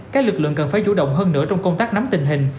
các lực lượng cần phải chủ động hơn nữa trong công tác nắm tình hình